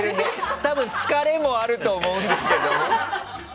多分疲れもあると思うんですけど。